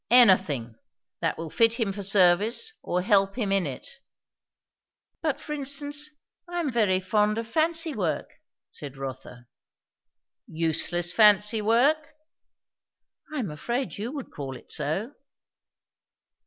"Anything, that will fit him for service, or help him in it." "But for instance. I am very fond of fancy work," said Rotha. "Useless fancy work?" "I am afraid you would call it so."